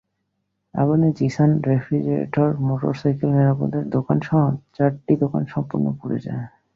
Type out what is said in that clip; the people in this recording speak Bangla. আগুনে জিসান রেফ্রিজারেটর, মোটরসাইকেল মেরামতের দোকানসহ চারটি দোকান সম্পূর্ণ পুড়ে যায়।